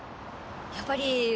やっぱり。